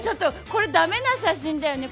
これだめな写真だよね。